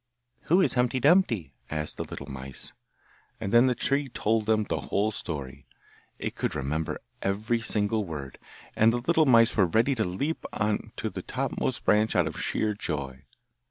'Who is Humpty Dumpty?' asked the little mice. And then the tree told the whole story; it could remember every single word, and the little mice were ready to leap on to the topmost branch out of sheer joy!